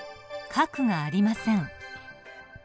核がありません。